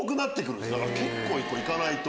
だから結構行かないと。